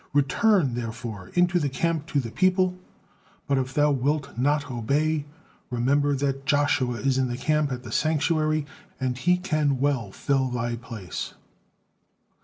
Return, therefore, into the camp to the people. But if thou wilt not obey, remember that Joshua is in the camp at the sanctuary, and he can well fill thy place."